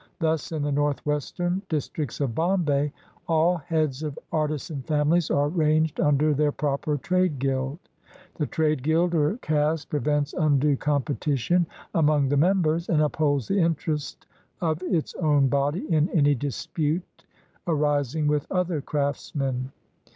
Thus, in the Northwestern Dis tricts of Bombay, all heads of artisan families are ranged under their proper trade guild. The trade guild or caste prevents undue competition among the members, and upholds the interest of its own body in any dispute aris ing with other craftsmen.